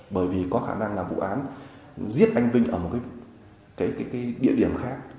bởi vì có khả năng là vụ án giết anh vinh ở một cái địa điểm khác